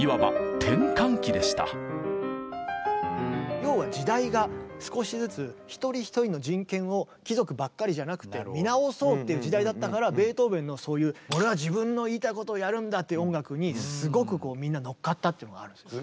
要は時代が少しずつ貴族ばっかりじゃなくて見直そうという時代だったからベートーベンのそういう俺は自分の言いたいことをやるんだっていう音楽にすごくみんな乗っかったっていうのがあるんですね。